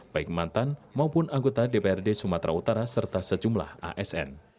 baik mantan maupun anggota dprd sumatera utara serta sejumlah asn